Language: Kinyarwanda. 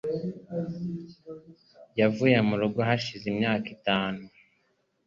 Yavuye mu rugo hashize imyaka itanu